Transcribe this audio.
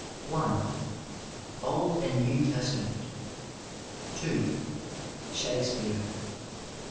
I. Old and New Testament. n. Shakespeare.